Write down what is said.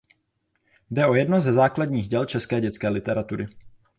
Jde o jedno ze základních děl české dětské literatury.